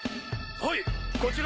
はいこちら。